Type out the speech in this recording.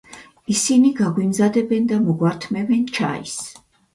ისინი გაგვიმზადებენ და მოგვართმევენ ჩაის.